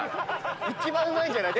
一番うまいんじゃない？